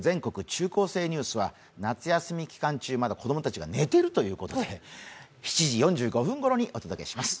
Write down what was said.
中高生ニュース」は夏休み期間中、まだ子供たちが寝ているということで７時４５分ごろにお届けします。